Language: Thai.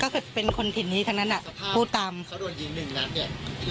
ก็คือเป็นคนถิ่นนี้ทั้งนั้นอ่ะพูดตามเขาโดนยิงหนึ่งนัดเนี่ย